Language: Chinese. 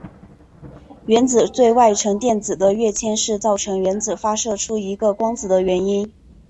原子最外层电子的跃迁是造成原子发射出一个光子的原因。